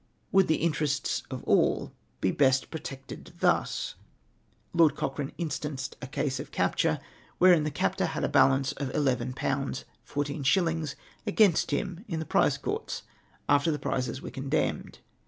Would the interests of all be best protected thus ?" Lord Cochrane instanced a case of capture, wherein the captor had a balance of 111. 14s. against him in the prize courts, after the prizes were condemned.